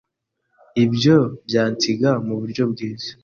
Ibyo byansiga muburyo bwiza .